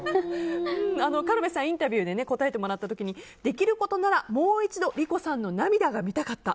軽部さん、インタビューで答えてもらった時にできることならもう一度莉子さんの涙が見たかった。